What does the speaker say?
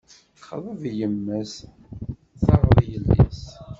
Xḍeb yemma-s, taɣeḍ yelli-s.